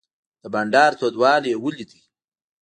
د بانډار تودوالی یې ولید.